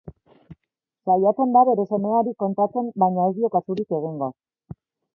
Saiatzen da bere semeari kontatzen baina ez dio kasurik egingo.